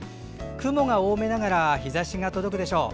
雲が多めながら日ざしが届くでしょう。